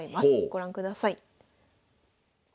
ご覧ください。